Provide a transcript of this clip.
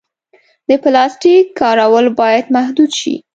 د پلاسټیک کارول باید محدود شي.